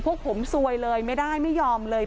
พวกผมซวยเลยไม่ได้ไม่ยอมเลย